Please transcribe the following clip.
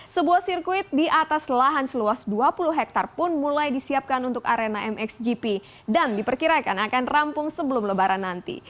sebuah sirkuit di atas lahan seluas dua puluh hektare pun mulai disiapkan untuk arena mxgp dan diperkirakan akan rampung sebelum lebaran nanti